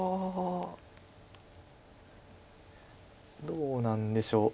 どうなんでしょう。